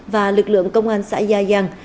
và lực lượng công an xã gia giang